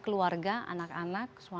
pengujiannya sama dengan catikan bahwa